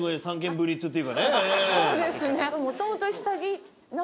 そうですね。